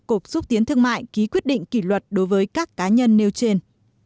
cục xúc tiến thương mại ký quyết định kỷ luật đối với các cá nhân nêu trên